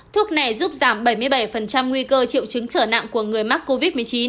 thuốc này giúp giảm bảy mươi bảy nguy cơ triệu chứng trở nặng của người mắc covid một mươi chín